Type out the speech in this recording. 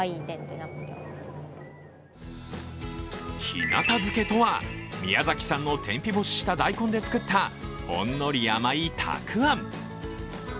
日向漬けとは宮崎産の天日干しした大根で作ったほんのり甘いたくあん。